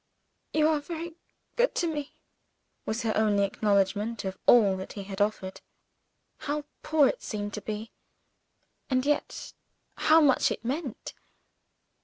"You are very good to me," was her only acknowledgment of all that he had offered. How poor it seemed to be! and yet how much it meant!